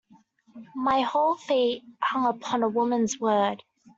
My whole fate hung upon a woman's word.